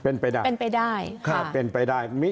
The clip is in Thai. เป็นไปได้เป็นไปได้